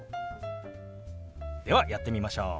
ではやってみましょう！